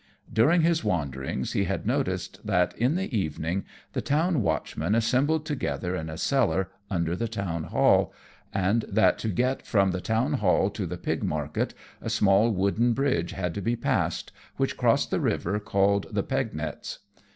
During his wanderings he had noticed that, in the evening, the town watchmen assembled together in a cellar under the town hall, and that to get from the town hall to the pig market a small wooden bridge had to be passed, which crossed the river called the Pegnetz.